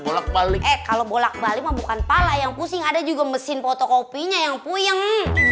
bolak balik eh kalau bolak balik bukan pala yang pusing ada juga mesin fotokopinya yang puyeng